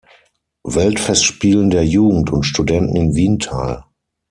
Weltfestspielen der Jugend und Studenten in Wien teil.